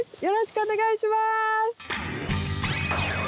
よろしくお願いします！